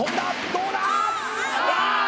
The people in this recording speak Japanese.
どうだ？